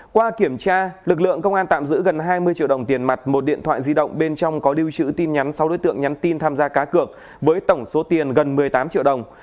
qua kiểm tra lực lượng công an tạm giữ gần hai mươi triệu đồng tiền mặt một điện thoại di động bên trong có lưu trữ tin nhắn sáu đối tượng nhắn tin tham gia cá cược với tổng số tiền gần một mươi tám triệu đồng